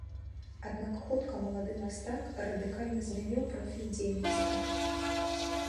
Аднак хутка малады мастак радыкальна змяніў профіль дзейнасці.